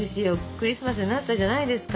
クリスマスになったじゃないですか。